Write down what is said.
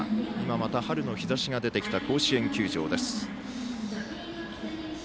また、春の日ざしが出てきた甲子園球場です。